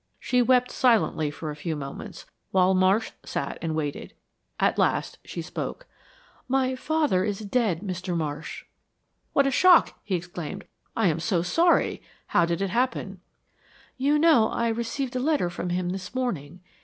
She wept silently for a few moments, while Marsh sat and waited. At last she spoke. "My father is dead, Mr. Marsh." "What a shock!" he exclaimed. "I am so sorry. How did it happen?" "You know I received a letter from him this morning.